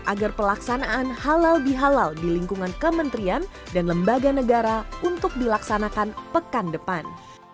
agar pelaksanaan halal bihalal di lingkungan kementerian dan lembaga negara untuk dilaksanakan pekan depan